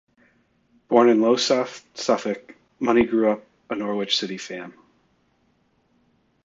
Born in Lowestoft, Suffolk, Money grew up a Norwich City fan.